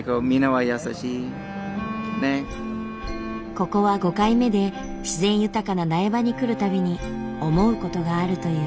ここは５回目で自然豊かな苗場に来るたびに思うことがあるという。